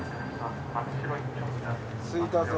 着いたぞ。